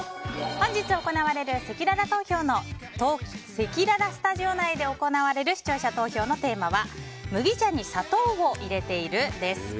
本日せきららスタジオ内で行われる、視聴者投票のテーマは麦茶に砂糖を入れている？です。